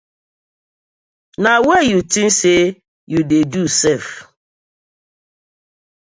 Na were yu tins sey yu dey do sef sef.